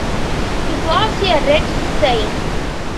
It was a red sail.